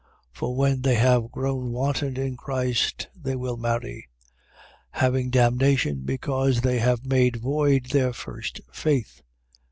For when they have grown wanton in Christ, they will marry: 5:12. Having damnation, because they have made void their first faith.